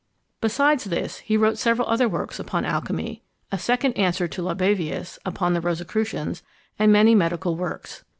Besides this, he wrote several other works upon alchymy, a second answer to Libavius upon the Rosicrucians, and many medical works.